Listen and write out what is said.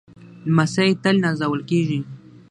لمسی تل نازول کېږي.